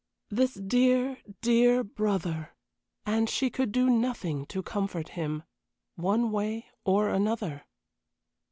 This dear, dear brother! And she could do nothing to comfort him one way or another.